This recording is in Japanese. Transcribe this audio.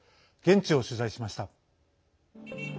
現地を取材しました。